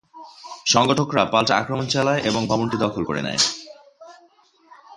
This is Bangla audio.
সংগঠকরা পাল্টা আক্রমণ চালায় এবং ভবনটি দখল করে নেয়।